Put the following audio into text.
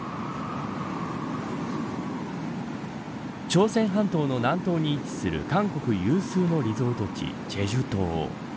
朝鮮半島の南東に位置する韓国有数のリゾート地、済州島。